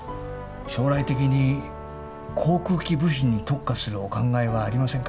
将来的に航空機部品に特化するお考えはありませんか？